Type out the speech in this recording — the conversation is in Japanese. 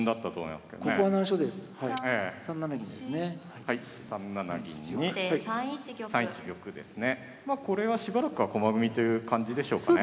まこれはしばらくは駒組みという感じでしょうかね。